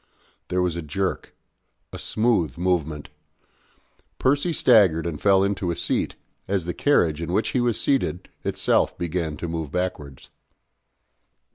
There was a jerk a smooth movement. Percy staggered and fell into a seat, as the carriage in which he was seated itself began to move backwards.